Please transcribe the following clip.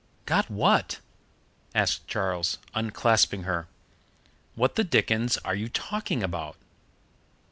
"Got what?" asked Charles, unclasping her. "What the dickens are you talking about?"